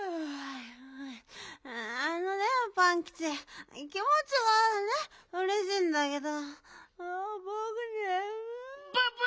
あのねパンキチきもちはねうれしいんだけどぼくねむい。